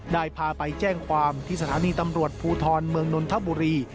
ได้พาไปแจ้งความที่สถานีตำรวจภูทรเมืองนนทบุรี